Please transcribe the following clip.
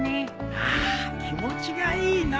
ああ気持ちがいいのう。